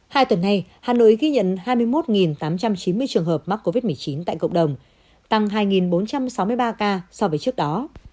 hai tuần nay hà nội ghi nhận hai mươi một tám trăm chín mươi trường hợp mắc covid một mươi chín tại cộng đồng tăng hai bốn trăm sáu mươi ba ca so với trước đó